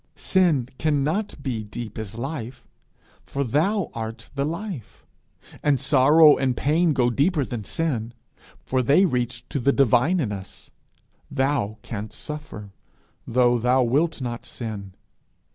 Sin cannot be deep as life, for thou art the life; and sorrow and pain go deeper than sin, for they reach to the divine in us: thou canst suffer, though thou wilt not sin.